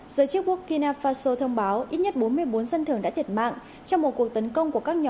giới chức quốc kinafaso thông báo ít nhất bốn mươi bốn dân thường đã thiệt mạng trong một cuộc tấn công của các nhà lãnh đạo